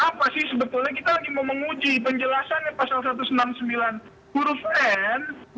apa sih sebetulnya kita lagi mau menguji penjelasannya pasal satu ratus enam puluh sembilan huruf n